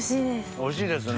おいしいですね。